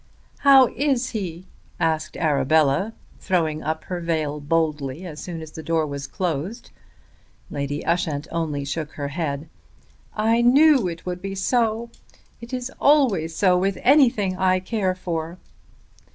"How is he?" asked Arabella, throwing up her veil boldly, as soon as the door was closed. Lady Ushant only shook her head. "I knew it would be so. It is always so with anything I care for."